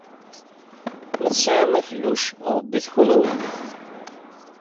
Ma tesɛam akluc, ṛebbit-t kenwi.